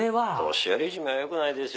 年寄りいじめはよくないですよ